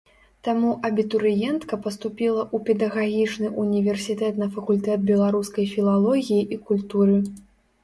Таму абітурыентка паступіла ў педагагічны ўніверсітэт на факультэт беларускай філалогіі і культуры.